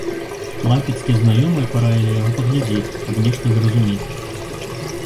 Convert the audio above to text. Клайпедскія знаёмыя параілі яго паглядзець, каб нешта зразумець.